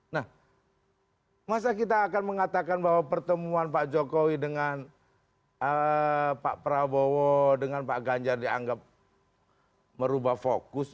nah masa kita akan mengatakan bahwa pertemuan pak jokowi dengan pak prabowo dengan pak ganjar dianggap merubah fokus